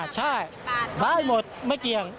ใช่บ้านหมดไม่เกี่ยว